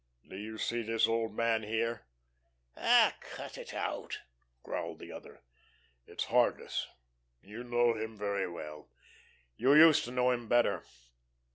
Do you see this old man here?" "Oh h, cut it out!" growled the other. "It's Hargus. You know him very well. You used to know him better.